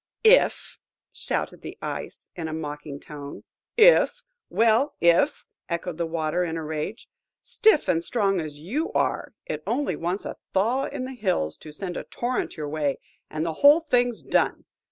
"If! " shouted the Ice, in a mocking tone. "If? well, if!" echoed the Water in a rage. "Stiff and strong as you are, it only wants a thaw in the hills to send a torrent your way, and the whole thing's done.